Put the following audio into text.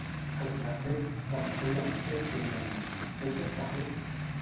Els de Fet, quan feien Fet deien: «Fet ja està fet!».